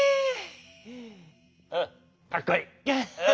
うんかっこいい。